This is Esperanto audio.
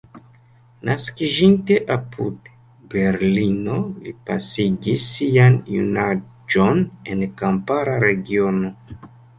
Naskiĝinte apud Berlino, li pasigis sian junaĝon en kampara regiono.